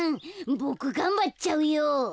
ボクがんばっちゃうよ。